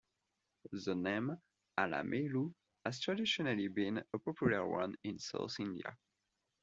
The name Alamelu has traditionally been a popular one in South India.